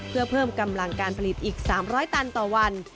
เพื่อเพิ่มกำลังการผลิตอีก๓๐๐ตันต่อวัน